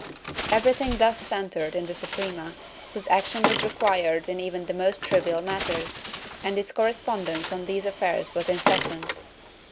^ Everj^hing thus centred in the Suprema, whose action was required in even the most trivial matters, and its correspondence on these affairs was incessant.